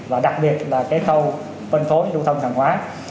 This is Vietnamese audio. và đặc biệt là cái khâu phân phối lưu thông hàng hóa